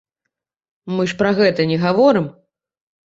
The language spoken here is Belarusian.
Мы ж пра гэта не гаворым.